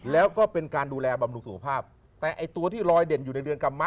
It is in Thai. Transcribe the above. แล้วก็เป็นการดูแลบำรุงสุขภาพแต่ไอ้ตัวที่ลอยเด่นอยู่ในเรือนกรรมะ